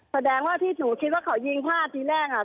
แสดงว่าที่หนูคิดว่าเขายิงพลาดที่แรกอ่ะ